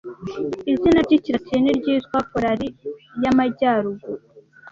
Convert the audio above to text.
Izina ry'ikilatini ryitwa Polaris y'Amajyaruguru